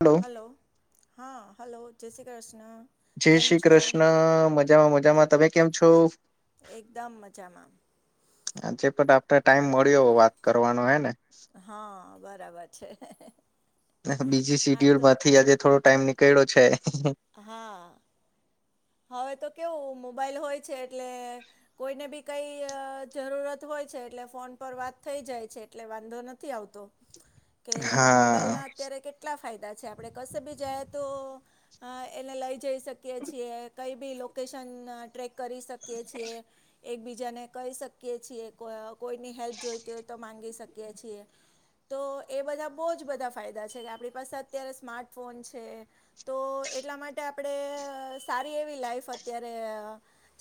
Hello hello, હા hello જય શ્રી કૃષ્ણ. જય કેમ શ્રી છો કૃષ્ણ, મજામાં મજામાં, તમે કેમ છો? એકદમ મજામાં. આજે પણ આપણે ટાઈમ મળ્યો વાત કરવાનો હે ને? હા, બરાબર છે. બીજી હા સીડ્યુલ તો માંથી આજે થોડો ટાઈમ નીકળ્યો છે. હા, હવે તો કેવું મોબાઈલ હોય છે એટલે કોઈને બી કઈ અ જરૂરત હોય છે એટલે ફોન પર વાત થઈ જાય છે એટલે વાંધો નથી આવતો. કે મોબાઈલ હા ના અત્યારે કેટલા ફાયદા છે આપડે કશે બી જાય તો અ એને લઈ જઈ શકીએ છીએ, કઈ બી લોકેશન ટ્રેક કરી શકીએ છીએ એકબીજાને કહી શકીએ છીએ, કો કોઈની હેલ્પ જોઈતી હોય તો માંગી શકીએ છીએ. તો એ બધા બહુ જ બધા ફાયદા છે કે આપણી પાસે અત્યારે સ્માર્ટફોન છે તો એટલા માટે આપણે સારી એવી લાઈફ અત્યારે અ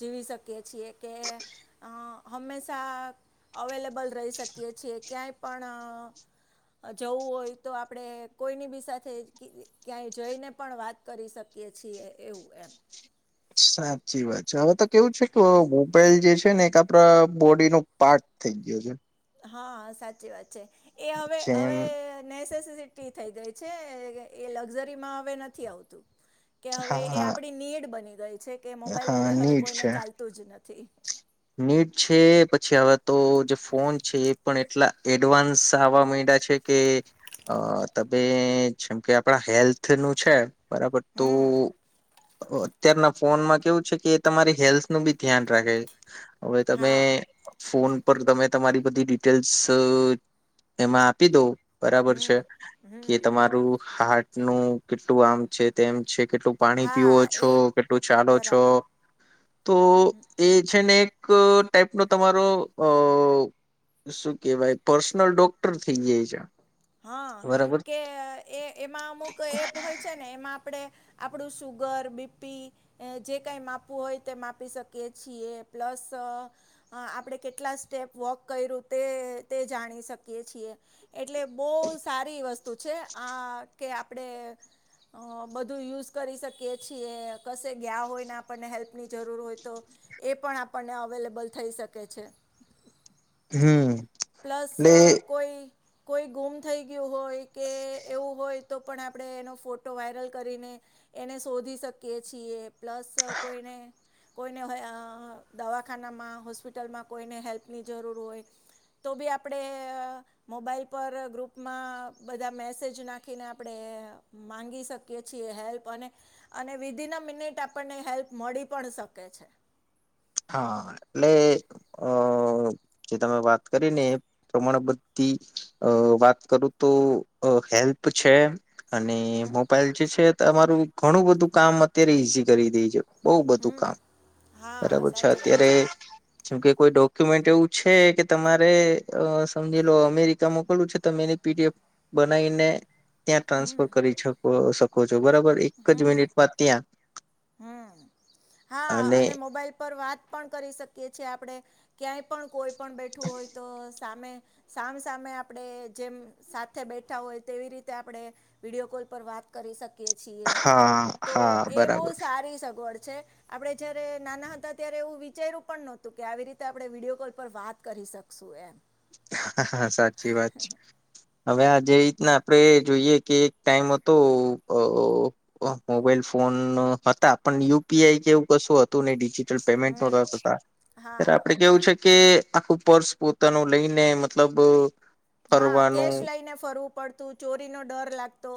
જીવી શકીએ છીએ કે અ હમેશા અવેલેબલ રહી શકીએ છીએ, ક્યાંય પણ જવું હોય તો આપડે કોઈની બી સાથે ક્યાંય જઈને પણ વાત કરી શકીએ છીએ એવું એમ. સાચી વાત છે, હવે તો કેવું છે કે મોબાઈલ જે છે ને એક આપડા બોડી નુ પાર્ટ થઈ ગયો છે. હા સાચી વાત છે. એ હવે જેમ હવે મેસે સિટી થઈ ગઈ છે. એ લક્ઝરીમાં હવે નથી આવતું. કે હવે એ હા આપડી નીડ બની ગઈ છે કે મોબાઈલ હા વગર હવે નીટ કોઈને છે ચાલતું જ નથી. નીટ છે પછી હવે તો જે ફોન છે એ પણ એટલા એડવાન્સ આવા મન ડા છે કે અ તમે જેમ કે આપણા હેલ્થ નું છે બરાબર તો હમ અત્યારના ફોનમાં કેવું છે કે એ તમારી હેલ્થનું બી ધ્યાન રાખે છે. હવે તમે હા ફોન ઉપર તમે તમારી બધી ડિટેલ્સ એમાં આપી દો બરાબર છે કે તમારું હાર્ટ નું કેટલું આમ છે તેમ છે કેટલું પાણી પીવો હા છો એ કેટલું ચાલો છો બરાબર તો એ છેને એક ટાઈપનો તમારો અ શું કેવાય પર્સનલ ડોક્ટર થઇ જાય છે હા બરાબર કે એ એમાં અમુક એપ હોય છે ને એમાં આપણે આપણું સુુગર બીપી જે કાંઈ માપવું હોય તે માપી શકીએ છીએ પ્લસ આપણે કેટલા સ્ટેપ વોક કર્યું તે તે જાણી શકીએ છીએ એટલે બહ સારી વસ્તુ છે આ કે આપડે અ બધું યુઝ કરી શકીએ છીએ કશે ગયા હોય ને આપણને હેલ્પની જરૂર હોય તો એ પણ આપણને અવેલેબલ થઈ શકે છે હમ પ્લસ એટલે કોઈ કોઈ ગુમ થ ગયું હોય કે એવું હોય તો પણ આપણે એનો ફોટો વાયરલ કરીને એને શોધી શકીએ છીએ પ્લસ કોઈને કોઈને દવાખાનામાં હોસ્પિટલમાં કોઈને હેલ્પની જરૂર હોય તો બી આપડે મોબાઈલ ગ્રુપમાં બધા મેસેજ નાખીને આપણે મામાંગી શકીએ છીએ હેલ્પ વિઘી ન અ મિનિટ આપણને હેલ્પ મળી પણ શકે છે હા એટલે અ જે તમે વાત કરી ને પ્રમાણે બધી વાત કરું તો હેલ્પ છે અને હમ મોબાઈલ જે છે તમારું ઘણું બધું કામ અત્યારે ઈઝી કરી દેજ બહ બધું હમ કામ હા બરાબર છે સાચી વાત અત્યારે છે જેમ કે કોઈ ડોક્યુમેન્ટ એવું છે કે તમારે અ સમજી લો અમેરિકા મોકલવું છે તમે એ પીડીએફ બનાઈને ત્યાં ટ્રાન્સફર કરી શકો શકો છો બરાબર એક જ મિનિટમાં ત્યાં હમ્મ હા અને મોબાઈલ પર વાત પણ કરી શકીએ છીએ આપડણે ક્યાંય પણ કોઈ પણ બેઠું હોય તો સામે સામ સામે આપડે જેમ સાથે બેઠા હોય તેવી રીતે આપે વિડીયો કોલ પર વાત કરી શક હા હા બહુ બરાબર છે સારી સગવડ છે આપણે જયારે નાના હતા ત્યારે એવું વિચારું પણ નોતું કે આવી રીતે આપણે વિડીયો કોલ પર વાત કરી શકશું એમ હ સાચી વાત છે હવે આ જે રીતના આપણેે જોઈએ કે એક ટાઈમ હતો અ મોબાઈલ ફોન હતા પણ યુપીઆઈ કેવું કશું હતું ડીગી ટલ પેમેન્ટ હમ [unintelligible] હા આપે કેવું છે કે આખું પર્સ પોતાનું લઈને મતલબ હા ફરવાનું કેશ લઈને ફરવું પડતું ચોરીનો ડર લાગતો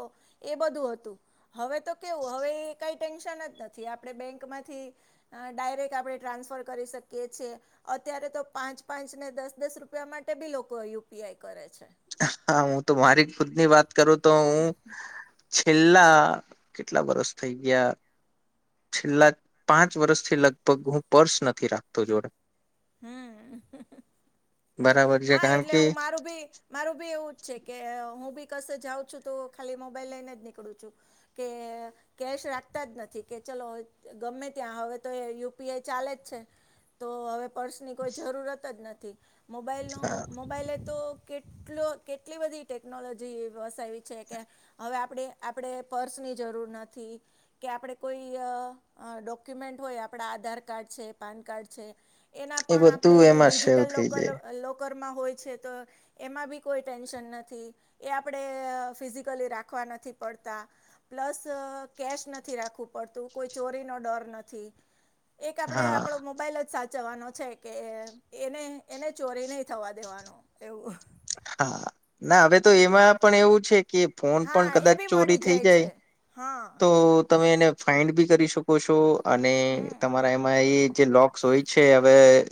એ બધું હતું હવે તો કેવું હવે એ કઈ ટેન્શન જ નથી આપણે બેંકમાંથી અ ડાયરેક્ટ આપણે ટ્રાન્સફર કરી શકીએ છે અત અત્યારે તો પાંચ પાંચ ને દસ દસ રૂપિયા માટે બી લોકો યુપીઆઈ કરે છે હા હું તો મારી ખુદ ની વાત કરું તો હું છેલ્લા કેટલા વરસ થઈ ગયા છેલ્લા પાંચ વર્ષથી લગભગ હું પર્સ નથી રાખતો જોડે હમ્મ બરાબર છે હા કારણ એટલે કે હું મારું બી મારું બી એવું જ છે કે હું બી કસે જાઉં છું તો ખાલી મોબાઈલ લઈને જ નીકળું છું કે કેશ રાખતા જ નથી કે ચાલ ગમે ત્યાં હવે તો એ યુપીઆઈ ચાલે જ છે તો હવે પર્સની કોઈ જરૂરત જ નથી મોબાઈલનો મોબાઈલે તો કેટલો કેટલી બધી ટેકનોલોજી વસાવી છે કે હવે આપ આપણે પર્સની જરૂર નથી કે આપડે કોઈ અ અ ડોક્યુમેન્ટ હોય આપડે આધાર કાર્ડ છે પાન કાર્ડ છે એના એ પણ બધું આપણે એમાં સેવ ડિજિટલ થઈ લોકલ જાય હોય છે તો એમાં બી કોઈ ટેન્શ નથી એ આપણે ફિઝિકલી રાખ નથી પડતા પ્લસ કેશ નથી રાખવું પડતું કોઈ ચોરીનો ડર નથી એક આપડે હા આપડો મોબાઈલ જ સાચવવાનો છે કે એને એને જ ચોરી નહી થવા દેવાનું એવું હા ના હવે તો એમાં પણ એવું છે કે ફોન પણ હા એ કદાચ બી ચોરી મળી થઈ જાય છે હા તો તમે એને ફાાઈન્ડ બી કરી શકો છો અને હમ તમારા એમાં એ જે લોક્સ હોય છે હવે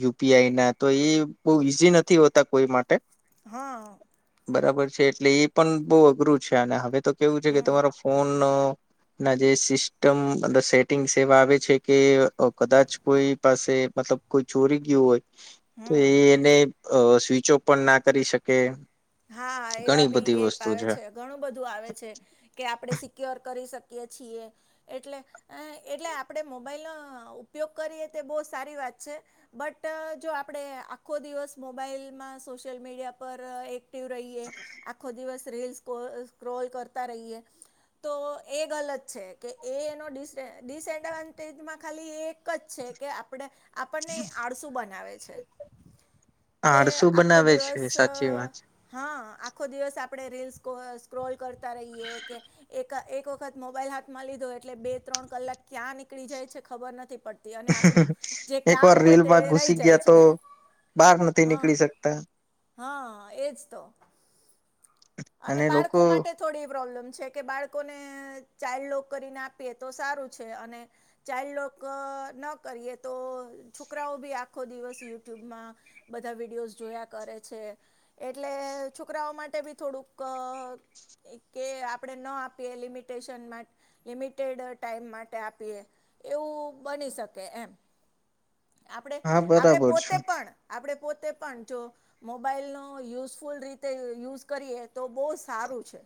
યુપીઆઈ ના તો એ બહ ઈઝી નથી હોતા કોઈ માટે હા બરાબર છે એટલે એ પણ બહ અઘરું છે અને હવે તો કેવું છે કે હમ તમારો ફોન ના જે સિસ્ટમ સેટિંગ્સ એવા આવે છે કે કદાચ કોઈ પાસે મતલબ કોઈ ચોરી ગયું હોય તો હમ એ એને સ્વિચ ઓફ પણ ના કરી શકે હા એવા ઘણી બી બધી એપ વસ્તુ આવે છે ઘણું બધું આવે છે કે આપડે સિક્યોર કરી શકીએ છીએ એટલે એટલે આપણે મોબાઈલનોો ઉપયોગ કરીએ તો બહુ સારી વાત બટ જો આપણે આખો દિવસ મોબાઈલમાં સોશિયલ મીડિયા પર એક એક રહીએ આખો દિવસ રીલ સ્ક્રોલ કરતા રહીએ તો એ ગલત છે કે એનો ડિસ ડિસએડવાન્ટેજમાં ખાલી એ એક જ છે કે આપણે આપણને આળસુ બનાવે છે કે આળસું આખો બનાવે દિવસ છે સાચી વાત હા આખો દિવસ આપણેે રીલસ સ્ક્રોલ કરતા રહીએ કે એક એક વખત મોબાઈલ હાથમાં લીધો એટલે બે ત્રણ કલાકનો ક્યાં નીકળી જાય છે, ખબર નથી પડતી અને આપડું જે એક વાર કામ હોય તે રીલમાં ઘુસી રહી જાય ગયા છે. તો બહાર નથી હા નીકળી શકતા હા એજ તો અને બાળકો માટે થોડી પ્રોબ્લેમ છે, કે બાળકોને ચાઇલ્ડ લોક કરીને આપીએ તો સારું છે, અને ચાઇલ્ડ લોક ન કરીએ તો છોકરાઓ બી આખો દિવસ યુટ્યુબમાં બધા વિડીયોઝ જોયા કરે છે, એટલે છોકરાઓ માટે બી થોડુંક કે આપણે ન આપીએ લિમિટેશન લિમિટેડ ટાઈમ માટે આપીએ. એવું બની શકે એમ આપણે હા આપણેે બરાબર છે પોતે પણ આપણે પોતે પણ જો મોબાઈલ ન યુઝફુલ રીતે યુઝ કરીએ, તો બહુ સારું છે.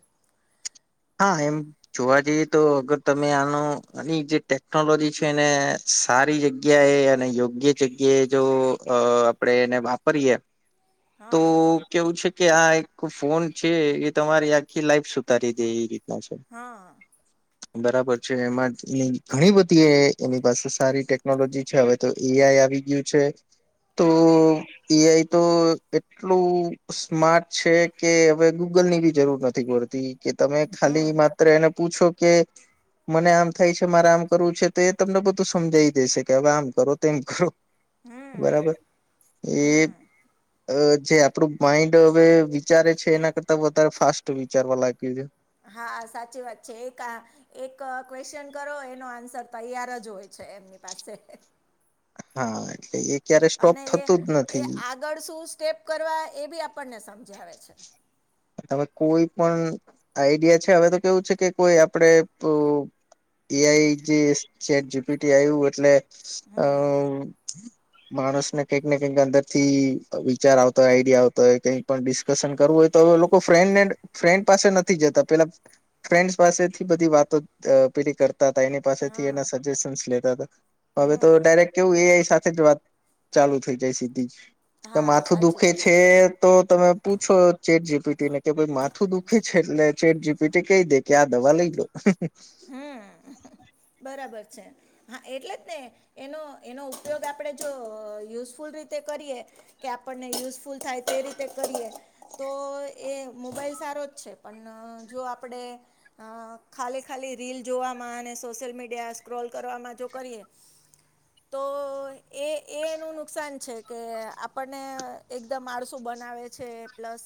હા એમ જોવા જઈએ, તો અગર તમે આનો આની જે ટેકનોલોજી છે એને સારી જગ્યા એ અને યોગ્ય જગ્યાએ જો આપણેે એને વાપરીએ, તો હા કેવું છે કે આ એક ફોન છે એ તમારી આખી લાઈફ સુધારી છે. હા. બરાબર છે એમાં ઘણી બધી એ એની પાસે સારી ટેકનોલોજી છે, હવે તો એ આઈ આવી ગયું છે. તો હા એઆઈ તો એટલું સ્માર્ટ છે કે હવે ગૂગલ ની બી જરૂર નથી પડતી. કે તમે હમ ખાલી માત્ર એને પૂછો કે, મને આમ થાય છે મારે આમ કરવું છે તો એ તમને બધું સમજાઈ દેશે કે હવે આમ કરો તેમ કરો. બરાબર એ અ જે આપડું માઈન્ડ હવે વિચારે છે, એના કરતા વધારે ફાસ્ટ વિચારવા લાગ્યું છે. હા, સાચી વાત છે એક આ એક ક્વેશ્ચન કરો એનો આન્સર તૈયાર જ હોય છે. એમની પાસે હા એટલે એક અને એ એ આગળ શું સ્ટેપ કરવા એ બી આપણને સમ ઉજ આવે છે. તવે કોઈ પણ આઈડિયા છે, હવે તો કેવું છે કે કોઈ આપડે એઆઈ જે છે, ચેટ જીપીટી આવું એટલે અ [inaudible] માણસ ને કંઈક ને કંઈક અંદર થી વિચાર આવતો હોય આઈડિયા આવતો હોય કઈક પણ ડિસ્કશન કરવું હોય તો લોકો ફ્રેન્ડને ફ્રેન્ડ પાસે નથી જતા પેલા ફ્રેન્ડસ પાસેથી બધી વાતો પેલી કર તા તા એની પાસેથી હા સજેશન્સ લેતા હતા હવે તો હમ ડાયરેક કેવું એ આઈ સાથે જ વાત ચાલુ થઈ જાય સીધી જ. કે હા માથું સાચી દુખે વાત છે તો તમે પૂછો ચેટ જીપીટી ને કે ભાઈ માથું દુઃખી છે, એટલે ચેટ જીપીટી કહી દે કે આ દવા લઈ લો હમ બરાબર છે હા એટલે જ ને એનો એનો ઉપયોગ આપડે જો યુઝફુ લ રીતે કરીએ કે આપને યુઝફુલ થાય તે રીતે કરીએ તો એ મોબાઈલ સારો જ છે, પણ જો આપડે અ ખાલી ખાલી રીલ જોવામાં અને સોશિયલ મીડિયા સ્ક્રોલ કરવામાં જો કરીએ તો. એ એ એનું નુકસાન [inaudible] છે કે આપણને એકદમ આળસુ બનાવે છે, પ્લસ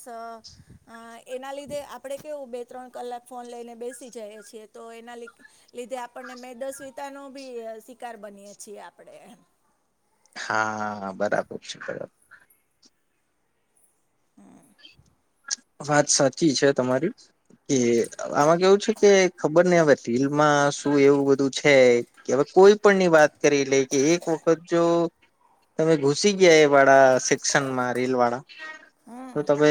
અ એના લીધે આપડે કેવું બે ત્રણ કલાક ફોન લઈને બેસી જઈએ છીએ તો એના લીધે આપણને મેદસ્વિતા નો ભી શિકાર બનીયએ છીએ આપણે [inaudible] હા બરાબર છે, બરાબર વાત સાચી છે, તમારી કે આમાં કેવું છે, કે ખબર નઈ હવે રિલમાં શું એવું બધું છે કે કોઈ પણ ની વાત કરી લે કે એક વખત જો તમે ઘુસી ગયા એ વાળા સેક્શનમાં રીલ વાળા તો હમ તમે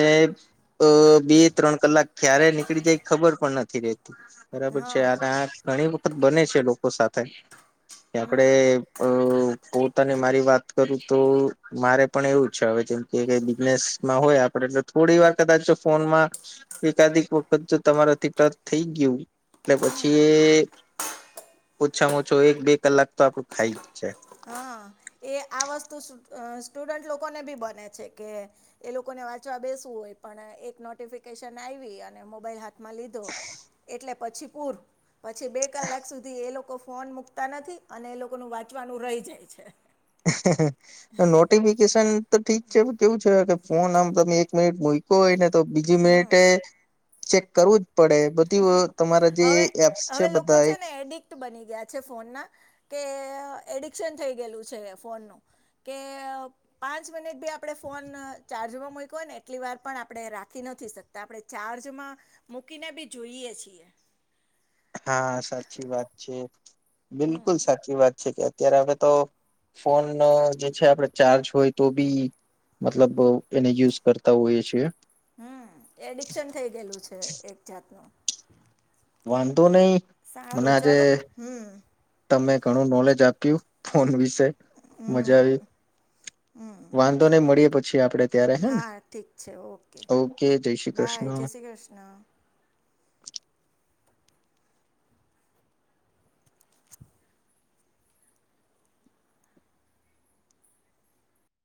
અ બે ત્રણ કલાક ક્યારે નીકળી જાય ખબર પણ નથી રતી. બરાબર છે હા અને આ ઘણી વખત બને છે, લોકો સાથે ત આપડે હમ અ બ તો ને મારી વાત કરું તો મારે પણ એવું છે, હવે જેમ કે બિઝનેસમાં હોય આપડેટલે થોડી વાર કદાચ ફોનમાં એકાદીક વખત તમારાથી ટચ થઈ ગયું એટલે પછી ઓછામાં ઓછો એક બે કલાક તો આપડું ખાઈ જ છે. હા એ આ વસ્તુ સુ અ સ્ટુડન્ટ લોકોને ભી બને છે, કે એ લોકો ને વાંચવા બેસવું પણ એક નોટિફિકેશન આવી અને મોબાઈલ હા થ માં લીધો એટલે પછી પૂરુ પછી બે કલાક સુધી એ લોકો ફોન મુકતા નથી અને એ લોકોનું વાંચવાનું રહી જાય છે. નોટિફિકેશન તો ઠીક છે, કેવું છે કે ફોન આમ તમે એક મિનિટ મૂકો હોય ને તો બીજી હમ મિનિટે ચેક કરવું પડે બધી તમારા જે હવે એપ્સ છે, હવે લોકો બધા એક ને તે એડિક્શન થઈ ગયેલું છે, ફોનનું કે પાંચ મિનિટ બી આપણે ફોન ચાર ને એટ વાર આપણે રાખી નથી શકતા આપણે ચાર્જમાં મૂકીને બી જોઈએ છીએ. હા સાચી વાત છે, બિલકુલ સાચી વાત છે કે તયારે આપડ તો ફોન જે છે, આપડે ચાર્જ હોય તો બી મતલબ એને યુઝ કરતા હોઈએ છીએ હમ એડિક્શન થઇ ગયેલું છે એક જાતનું. વાંધો નહી. મને સારું આજે ચાલો હમ. તમે ઘણું નોલેજ આપ્યું ફોન વિશે મજા આવી. વાંધો નય મળીએ પછી આપડે ત્યારે હને. હા ઠીક ઓકે બાય જય શ્રી કૃષ્ણ. [inaudible]